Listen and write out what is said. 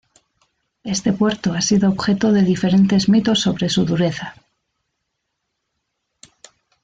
Este puerto ha sido objeto de diferentes mitos sobre su dureza.